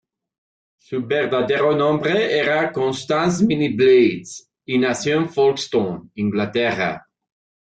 Su verdadero nombre era Constance Minnie Blades, y nació en Folkestone, Inglaterra.